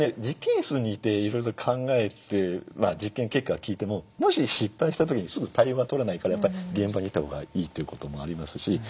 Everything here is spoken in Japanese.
実験室にいていろいろ考えて実験結果は聞いてももし失敗した時にすぐ対応が取れないからやっぱり現場にいた方がいいということもありますし。